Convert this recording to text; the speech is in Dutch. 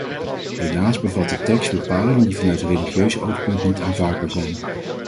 Helaas bevat de tekst bepalingen die vanuit religieus oogpunt niet aanvaardbaar zijn.